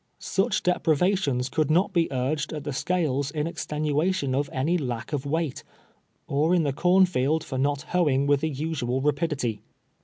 Such deprivations could not be urged at the scales in exten uation of any lack of weight, or in the cornfield for not hoeing with the usual rapidity.